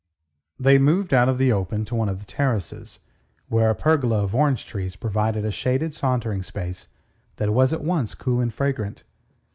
They moved out of the open to one of the terraces, where a pergola of orange trees provided a shaded sauntering space that was at once cool and fragrant.